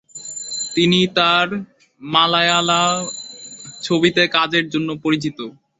তিনি তার মালায়ালাম ছবিতে কাজের জন্যও পরিচিত।